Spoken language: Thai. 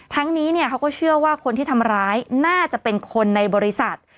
นี้เขาก็เชื่อว่าคนที่ทำร้ายน่าจะเป็นคนในบริษัท